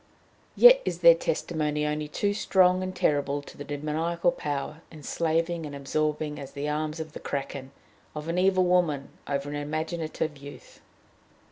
Yet is there testimony only too strong and terrible to the demoniacal power, enslaving and absorbing as the arms of the kraken, of an evil woman over an imaginative youth.